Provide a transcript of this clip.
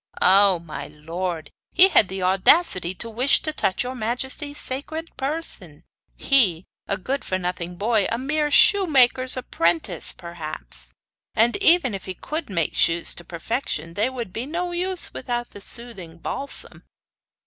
'Oh, my lord, he had the audacity to wish to touch your majesty's sacred person he, a good for nothing boy, a mere shoemaker's apprentice, perhaps! And even if he could make shoes to perfection they would be no use without the soothing balsam.